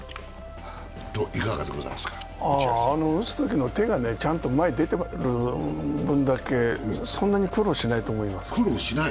打つときの手がちゃんと前に出てる分だけそんなに苦労しないと思います。